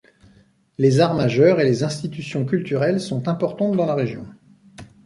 Les arts majeurs et les institutions culturelles sont importantes dans la région.